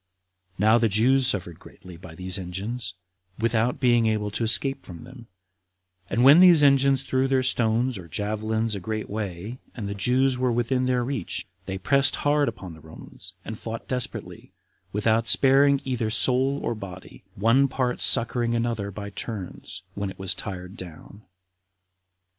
Now the Jews suffered greatly by these engines, without being able to escape from them; and when these engines threw their stones or javelins a great way, and the Jews were within their reach, they pressed hard upon the Romans, and fought desperately, without sparing either soul or body, one part succoring another by turns, when it was tired down.